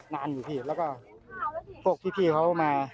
นานอยู่พี่แล้วก็พวกพี่เขามา